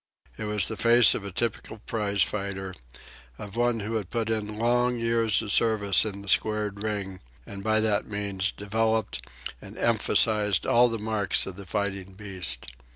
It was the face of a typical prize fighter; of one who had put in long years of service in the squared ring and, by that means, developed and emphasized all the marks of the fighting beast.